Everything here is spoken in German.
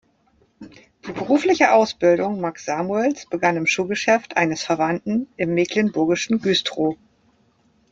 Die berufliche Ausbildung Max Samuels begann im Schuhgeschäft eines Verwandten im mecklenburgischen Güstrow.